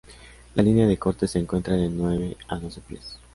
La línea de corte se encuentra de nueve a doce pies.